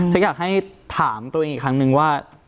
อยากให้ถามตัวเองอีกครั้งนึงว่า